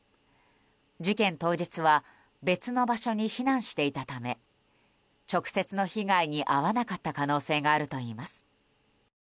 事件当日は別の場所に避難していたため直接の被害に遭わなかった可能性があるといいます。